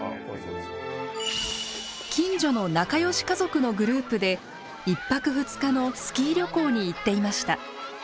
近所の仲良し家族のグループで１泊２日のスキー旅行に行っていました。